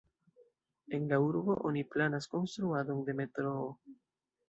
En la urbo oni planas konstruadon de metroo.